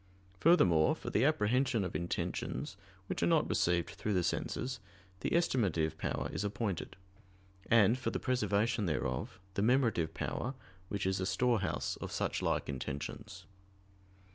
Furthermore, for the apprehension of intentions which are not received through the senses, the "estimative" power is appointed: and for the preservation thereof, the "memorative" power, which is a storehouse of such like intentions.